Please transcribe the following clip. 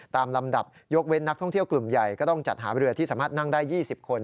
ลำดับยกเว้นนักท่องเที่ยวกลุ่มใหญ่ก็ต้องจัดหาเรือที่สามารถนั่งได้๒๐คน